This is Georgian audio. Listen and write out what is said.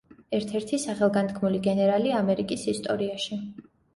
ერთ-ერთი სახელგანთქმული გენერალი ამერიკის ისტორიაში.